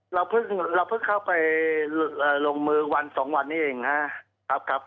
เราเพิ่งเข้าไปลงมือวัน๒วันนี้เองนะครับ